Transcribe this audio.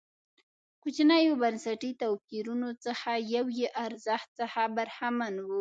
کوچنیو بنسټي توپیرونو څخه یو یې ارزښت څخه برخمن و.